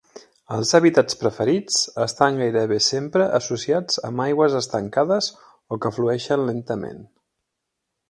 Els habitats preferits estan gairebé sempre associats amb aigües estancades o que flueixen lentament.